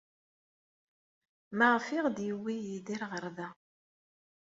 Maɣef ay aɣ-d-yewwi Yidir ɣer da?